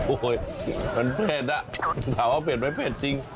โอ้โหมันเผ็ดอ่ะถามว่าเผ็ดไหมเผ็ดจริง